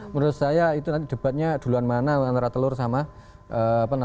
menurut saya itu nanti debatnya duluan mana antara telur sama